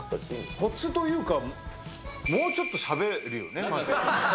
こつというか、もうちょっとしゃべるよね、まず。